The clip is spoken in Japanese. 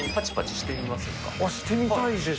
してみたいです。